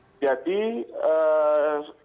saya rasa masih sangat cukup waktu